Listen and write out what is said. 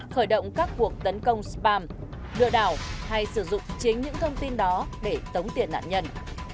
khởi động các cuộc tấn công spam lừa đảo hay sử dụng chính những thông tin đó để tống tiền nạn nhân